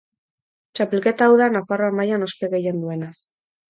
Txapelketa hau da Nafarroa mailan ospe gehien duena.